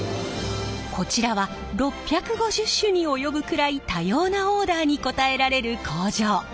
こちらは６５０種に及ぶくらい多様なオーダーに応えられる工場。